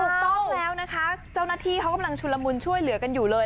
ถูกต้องแล้วนะคะเจ้าหน้าที่เขากำลังชุลมุนช่วยเหลือกันอยู่เลย